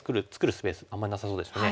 スペースあんまなさそうですね。